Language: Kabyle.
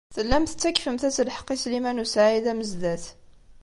Tellamt tettakfemt-as lḥeqq i Sliman u Saɛid Amezdat.